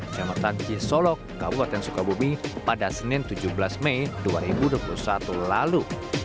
jamatan jisolok kabupaten sukabumi pada senin tujuh belas mei dua ribu dua puluh satu lalu